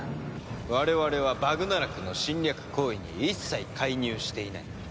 我々はバグナラクの侵略行為に一切介入していない。